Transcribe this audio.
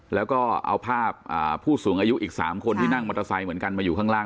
แล้วก็เอาภาพผู้สูงอายุอีก๓คนที่นั่งมอเตอร์ไซค์เหมือนกันมาอยู่ข้างล่าง